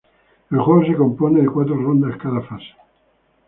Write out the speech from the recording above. El juego se compone de cuatro rondas cada fase.